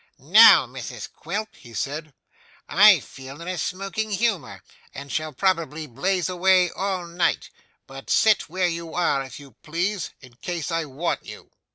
'Now, Mrs Quilp,' he said; 'I feel in a smoking humour, and shall probably blaze away all night. But sit where you are, if you please, in case I want you.